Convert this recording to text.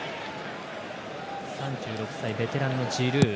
３６歳、ベテランのジルー。